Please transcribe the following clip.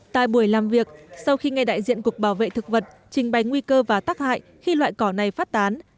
tại buổi làm việc sau khi ngay đại diện cục bảo vệ thực vật trình bày nguy cơ và tắc hại khi loại cỏ này phát tán